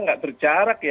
enggak berjarak ya